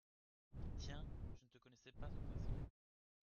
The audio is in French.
Tiens ! je ne te connaissais pas ce bracelet.